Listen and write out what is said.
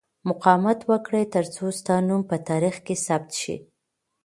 مقاومت وکړه ترڅو ستا نوم په تاریخ کې ثبت شي.